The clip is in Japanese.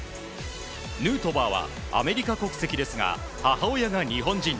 ヌートバーはアメリカ国籍ですが母親が日本人。